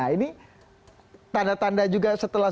ini tanda tanda juga setelah